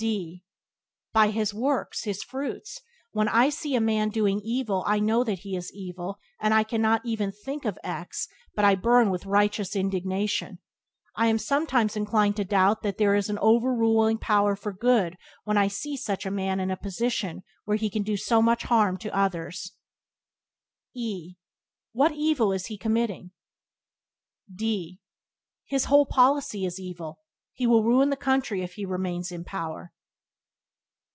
D By his works, his fruits. When I see a man doing evil I know that he is evil; and I cannot even think of X but I burn with righteous indignation. I am sometimes inclined to doubt that there is an overruling power for good when I see such a man in a position where he can do so much harm to others. E What evil is he committing? D His whole policy is evil. He will ruin the country if he remains in power.